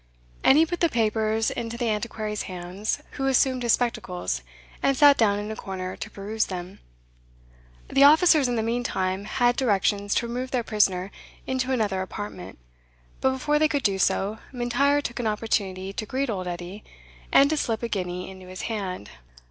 And he put the papers into the Antiquary's hands, who assumed his spectacles, and sat down in a corner to peruse them. The officers, in the meantime, had directions to remove their prisoner into another apartment; but before they could do so, M'Intyre took an opportunity to greet old Edie, and to slip a guinea into his hand.